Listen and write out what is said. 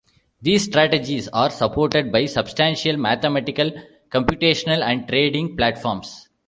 These strategies are supported by substantial mathematical, computational, and trading, platforms.